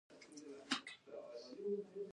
دغه علم تر سخت برید لاندې راغلی و.